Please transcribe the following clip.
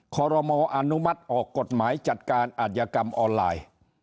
ขอรมออนุมัติออกกฎหมายจัดการอาจยกรรมออนไลน์